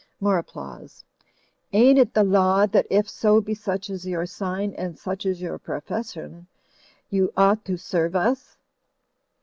(More applause.) Ain't it the Law that if so be such is your sign and such is your profession, you ought to serve us?"